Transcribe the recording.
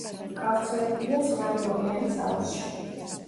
გავრცელებულია წყნარი ოკეანის აუზში.